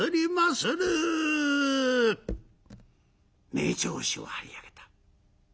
名調子を張り上げた。